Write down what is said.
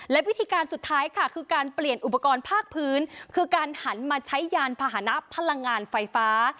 และวิธีการสุดท้ายค่ะคือการเปลี่ยนอุปกรณ์ภาคพื้นคือการหันมาใช้ยานพาหนะพลังงานไฟฟ้า